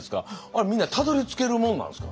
あれみんなたどりつけるもんなんですか。